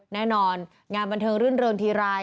แน่นอนงานบันเทิงรื่นเริงทีไร